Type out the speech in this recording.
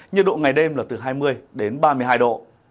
nhiệt độ ngày đêm là từ hai mươi đến ba mươi hai độ